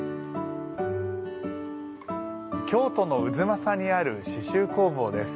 京都の太秦にある刺しゅう工房です。